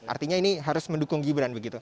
artinya ini harus mendukung gibran begitu